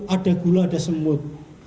ada gula ada semut